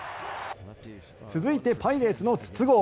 続いてパイレーツの筒香。